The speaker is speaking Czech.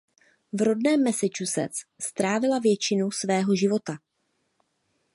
V rodném Massachusetts strávila většinu svého života.